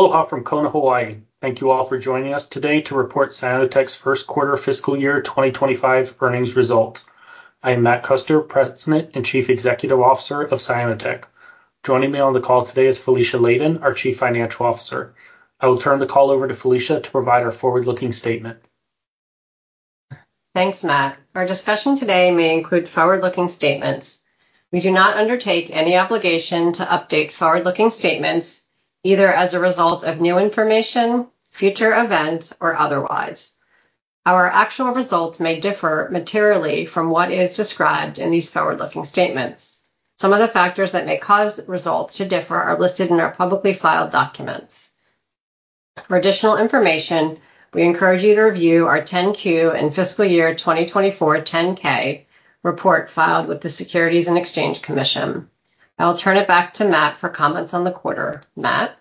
Aloha from Kona, Hawaii. Thank you all for joining us today to report Cyanotech's first quarter fiscal year 2025 earnings results. I am Matt Custer, President and Chief Executive Officer of Cyanotech. Joining me on the call today is Felicia Ladin, our Chief Financial Officer. I will turn the call over to Felicia to provide our forward-looking statement. Thanks, Matt. Our discussion today may include forward-looking statements. We do not undertake any obligation to update forward-looking statements, either as a result of new information, future events, or otherwise. Our actual results may differ materially from what is described in these forward-looking statements. Some of the factors that may cause results to differ are listed in our publicly filed documents. For additional information, we encourage you to review our 10-Q and fiscal year 2024 10-K report filed with the Securities and Exchange Commission. I'll turn it back to Matt for comments on the quarter. Matt?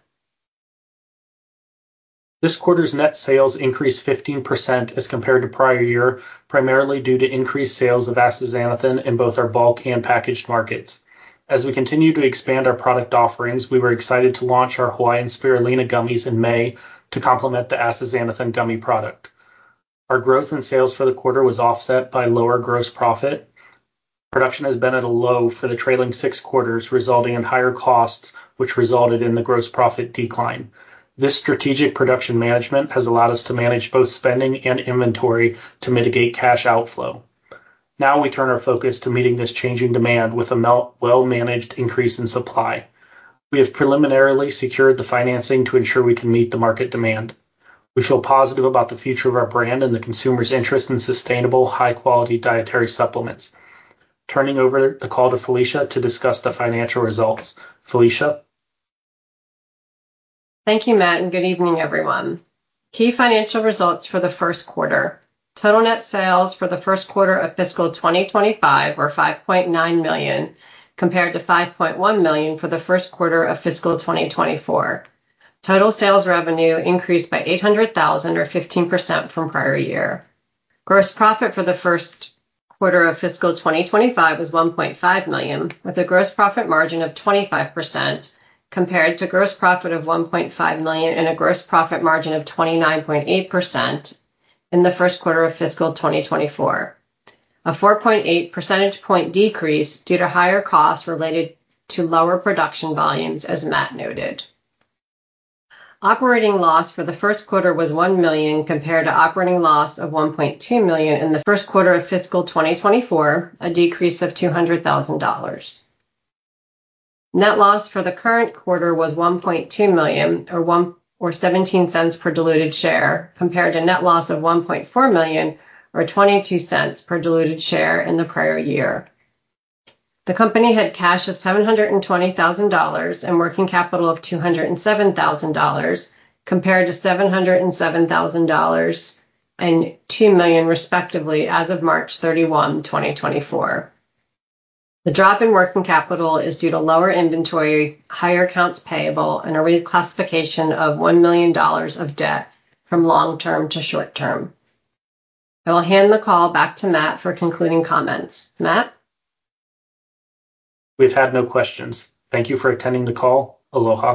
This quarter's net sales increased 15% as compared to prior year, primarily due to increased sales of astaxanthin in both our bulk and packaged markets. As we continue to expand our product offerings, we were excited to launch our Hawaiian Spirulina gummies in May to complement the astaxanthin gummy product. Our growth in sales for the quarter was offset by lower gross profit. Production has been at a low for the trailing six quarters, resulting in higher costs, which resulted in the gross profit decline. This strategic production management has allowed us to manage both spending and inventory to mitigate cash outflow. Now, we turn our focus to meeting this changing demand with a well-managed increase in supply. We have preliminarily secured the financing to ensure we can meet the market demand. We feel positive about the future of our brand and the consumer's interest in sustainable, high-quality dietary supplements. Turning over the call to Felicia to discuss the financial results. Felicia? Thank you, Matt, and good evening, everyone. Key financial results for the first quarter. Total net sales for the first quarter of fiscal 2025 were $5.9 million, compared to $5.1 million for the first quarter of fiscal 2024. Total sales revenue increased by $800,000 or 15% from prior year. Gross profit for the first quarter of fiscal 2025 was $1.5 million, with a gross profit margin of 25%, compared to gross profit of $1.5 million and a gross profit margin of 29.8% in the first quarter of fiscal 2024. A 4.8 percentage point decrease due to higher costs related to lower production volumes, as Matt noted. Operating loss for the first quarter was $1 million, compared to operating loss of $1.2 million in the first quarter of fiscal 2024, a decrease of $200 thousand. Net loss for the current quarter was $1.2 million or 17 cents per diluted share, compared to net loss of $1.4 million or 22 cents per diluted share in the prior year. The company had cash of $720 thousand and working capital of $207 thousand, compared to $707 thousand and $2 million, respectively, as of March 31, 2024. The drop in working capital is due to lower inventory, higher accounts payable, and a reclassification of $1 million of debt from long-term to short-term. I will hand the call back to Matt for concluding comments. Matt? We've had no questions. Thank you for attending the call. Aloha.